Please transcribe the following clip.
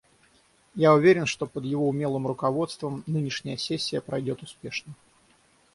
Я уверен, что под его умелым руководством нынешняя сессия пройдет успешно.